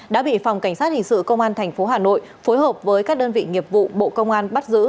đã bị phòng cảnh sát hình sự công an tp hà nội phối hợp với các đơn vị nghiệp vụ bộ công an bắt giữ